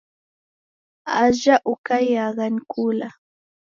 Ajha Ukaiyagha ni kula.